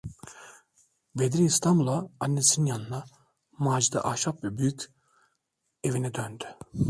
Bedri İstanbul’a annesinin yanına, Macide ahşap ve büyük evine döndü.